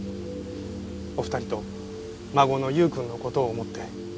お二人と孫の優くんの事を思って。